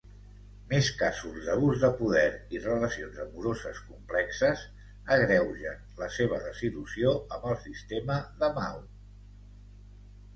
Més casos d'abús de poder i relacions amoroses complexes agreugen la seva desil·lusió amb el sistema de Mao.